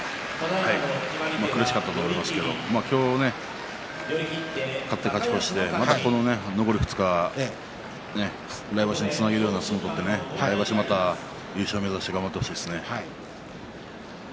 苦しかったと思いますけれど今日勝って、勝ち越しで残り２日来場所につなげるような相撲を取って来場所また優勝を目指して頑張ってほしいですね。